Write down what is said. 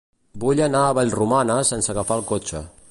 Vull anar a Vallromanes sense agafar el cotxe.